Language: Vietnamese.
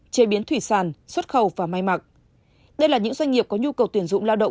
chế biến thủy sản xuất khẩu và may mặc đây là những doanh nghiệp có nhu cầu tuyển dụng lao động